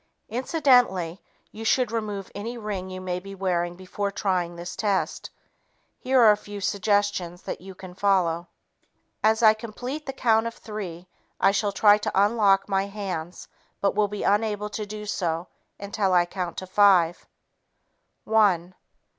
Incidentally, you should remove any ring you may be wearing before trying this test. Here are the suggestions you can follow: "As I complete the count of three, I shall try to unlock my hands but will be unable to do so until I count to five. One